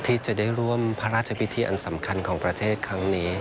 ที่จะได้ร่วมพระราชพิธีอันสำคัญของประเทศครั้งนี้